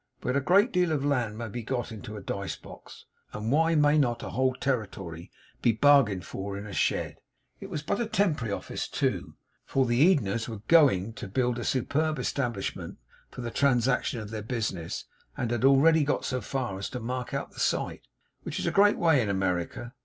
But a great deal of land may be got into a dice box, and why may not a whole territory be bargained for in a shed? It was but a temporary office too; for the Edeners were 'going' to build a superb establishment for the transaction of their business, and had already got so far as to mark out the site. Which is a great way in America.